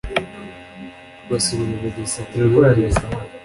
basubira i bugesera kumubwira